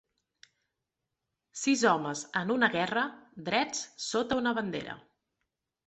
Sis homes en una guerra drets sota una bandera.